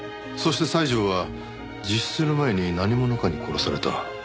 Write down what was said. そして西條は自首する前に何者かに殺された。